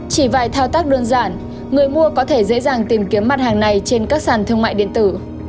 chỉ vài thao tác đơn giản người mua có thể dễ dàng tìm kiếm mặt hàng này trên các sàn thương mại điện tử